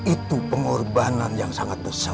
itu pengorbanan yang sangat besar